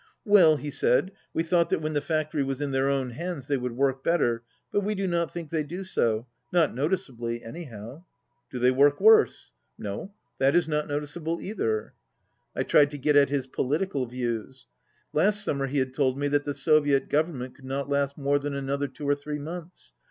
"Well," he said, "we thought that when the factory was in their own hands they would work better, but we do not think they do so, not notice ably, anyhow." "Do they work worse?" "No, that is not noticeable either." 76 I tried to get at his political views. Last sum mer he had told me that the Soviet Government could not last more than another two or three months.